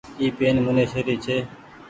اي پين منيشي ري ڇي۔